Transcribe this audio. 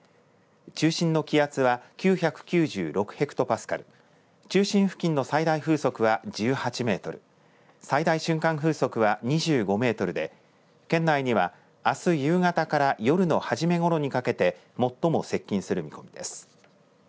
中心の気圧は９９６ヘクトパスカル、中心付近の最大風速は１８メートル、最大瞬間風速は２５メートルで県内には、あす夕方から夜の初めごろにかけて最も接近する見込みです。